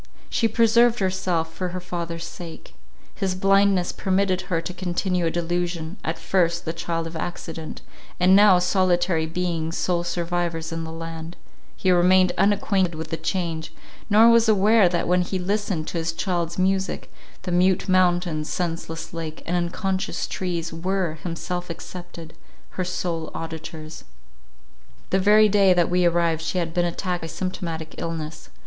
She preserved herself for her father's sake. His blindness permitted her to continue a delusion, at first the child of accident—and now solitary beings, sole survivors in the land, he remained unacquainted with the change, nor was aware that when he listened to his child's music, the mute mountains, senseless lake, and unconscious trees, were, himself excepted, her sole auditors. The very day that we arrived she had been attacked by symptomatic illness.